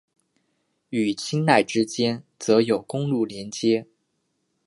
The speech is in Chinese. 与钦奈之间则有公路连接。